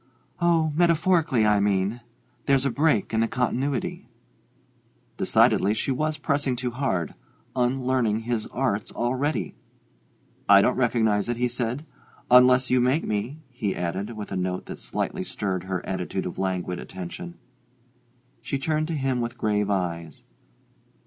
"Oh, metaphorically, I mean there's a break in the continuity." Decidedly, she was pressing too hard: unlearning his arts already! "I don't recognize it," he said. "Unless you make me " he added, with a note that slightly stirred her attitude of languid attention. She turned to him with grave eyes.